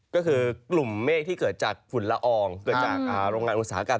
ก็คือกลุ่มเมฆที่เกิดจากฝุ่นละอองเกิดจากโรงงานอุตสาหกรรม